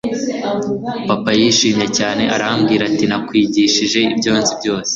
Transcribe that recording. Papa yishimye cyane arambwira ati Nakwigishije ibyo nzi byose